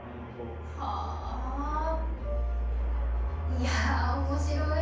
いや面白い。